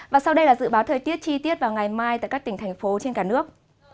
và sau đây là dự báo thời tiết chi tiết vào ngày mai tại các tỉnh thành phố trên cả nước